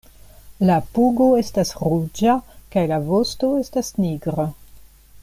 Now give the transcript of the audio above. La pugo estas ruĝa kaj la vosto estas nigra.